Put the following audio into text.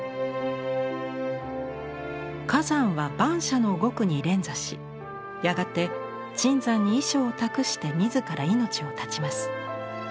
崋山は「蛮社の獄」に連座しやがて椿山に遺書を託して自ら命を絶ちます。